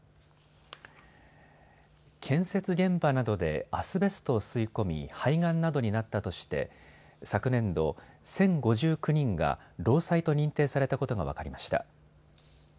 建設現場などでアスベストを吸い込み肺がんなどになったとして昨年度、１０５９人が労災と認定されたことが分かりました。